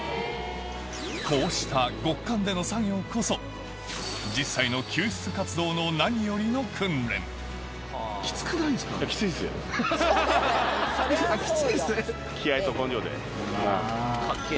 こうした極寒での作業こそ実際の救出活動の何よりの訓練キツいんですね。